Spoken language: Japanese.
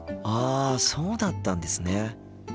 あそうだったんですね。